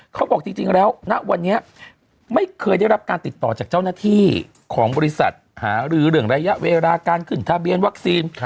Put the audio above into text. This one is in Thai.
เขาบอกจริงแล้วณวันนี้ไม่เคยได้รับการติดต่อจากเจ้าหน้าที่ของบริษัทหารือเรื่องระยะเวลาการขึ้นทะเบียนวัคซีน